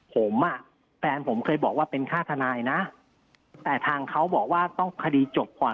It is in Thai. ผมอ่ะแฟนผมเคยบอกว่าเป็นค่าทนายนะแต่ทางเขาบอกว่าต้องคดีจบก่อน